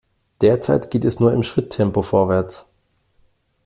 Derzeit geht es nur im Schritttempo vorwärts.